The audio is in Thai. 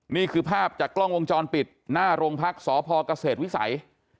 นี่คือภาพจากกล้องวงจรปิดหน้าโรงพักษพเกษตรวิสัย